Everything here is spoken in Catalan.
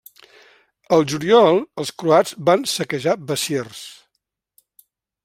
El juliol els croats van saquejar Besiers.